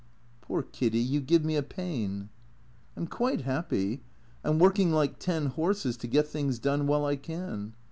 " Poor Kiddy. You give me a pain." " I 'm quite happy. I 'm working like ten horses to get things done while I can."